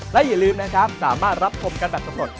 และอย่าลืมนะครับสามารถรับชมกันแบบสำรวจ